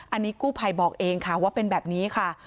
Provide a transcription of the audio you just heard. อันนี้กู้ภัยบอกเองค่ะว่าเป็นแบบนี้ค่ะ